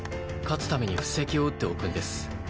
勝つために布石を打っておくんです。